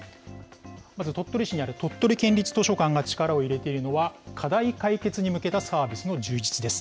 まず鳥取県にある鳥取県立図書館が力を入れているのは、課題解決に向けたサービスの充実です。